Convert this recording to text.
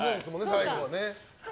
最後はね。